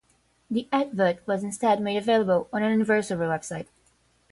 The advert was instead made available on an anniversary website.